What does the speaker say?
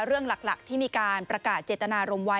เรื่องหลักที่มีการประกาศเจตนารมณ์ไว้